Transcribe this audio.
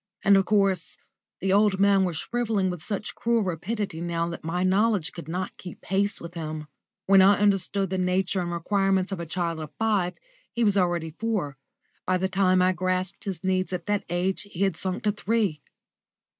And, of course, the old man was shrivelling with such cruel rapidity now that my knowledge could not keep pace with him. When I understood the nature and requirements of a child of five he was already four; by the time I grasped his needs at this age he had sunk to three.